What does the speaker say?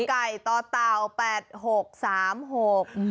๕กกตตาวแปดหกสามหก